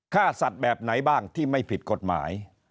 ฆ่าสัตว์แบบไหนบ้างที่ไม่ผิดกฎหมาย